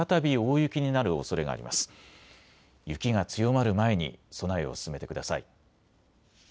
雪が強まる前に備えを進めてください。